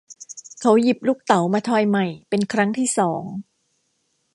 เขาหยิบลูกเต๋ามาทอยใหม่เป็นครั้งที่สอง